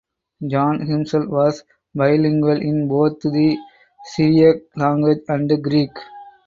John himself was bilingual in both the Syriac language and Greek.